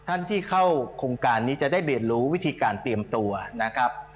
ท่านที่เข้าโครงการนี้จะได้เรียนรู้วิธีการเตรียมตัวนะครับ